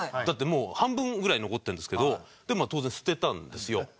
だってもう半分ぐらい残ってるんですけど当然捨てたんですよ。